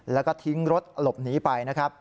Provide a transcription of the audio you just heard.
แล้วก็ทิ้งรถหลบหนีไป